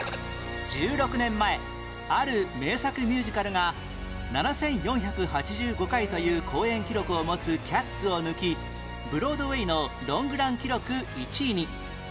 １６年前ある名作ミュージカルが７４８５回という公演記録を持つ『キャッツ』を抜きブロードウェイのロングラン記録１位に